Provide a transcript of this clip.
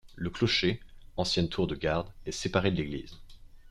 Le clocher, ancienne tour de garde, est séparé de l'église.